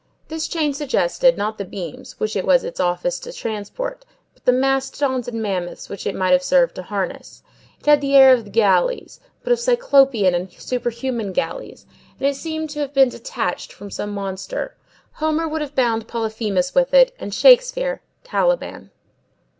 This chain suggested, not the beams, which it was its office to transport, but the mastodons and mammoths which it might have served to harness; it had the air of the galleys, but of cyclopean and superhuman galleys, and it seemed to have been detached from some monster. Homer would have bound Polyphemus with it, and Shakespeare, Caliban.